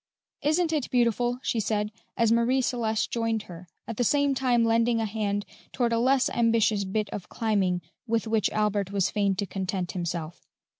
"Isn't it beautiful!" she said, as Marie Celeste joined her, at the same time lending a hand toward a less ambitious bit of climbing with which Albert was fain to content himself.